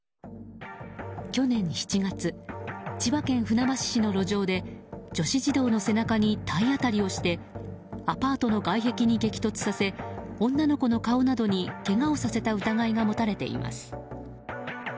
去年７月千葉県船橋市の路上で女子児童の背中に体当たりをしてアパートの外壁に激突させ女の子の顔などにけがをさせた疑いが持たれています。